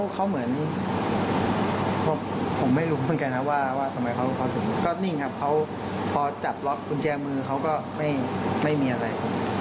ก็บอกเขาว่าใจเย็นแค่นี่พอจับล็อคมือเขาก็ไม่มีอะไร